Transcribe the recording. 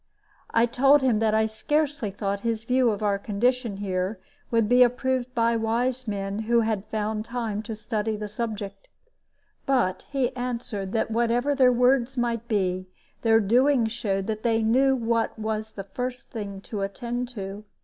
I told him that I scarcely thought his view of our condition here would be approved by wise men who had found time to study the subject. But he answered that whatever their words might be, their doings showed that they knew what was the first thing to attend to.